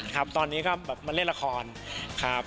ครับตอนนี้ก็แบบมาเล่นละครครับ